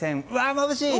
まぶしい！